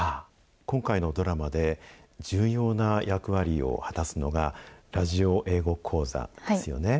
今回のドラマで重要な役割を果たすのが、ラジオ英語講座ですよね。